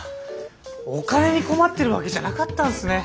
お金に困ってるわけじゃなかったんすね。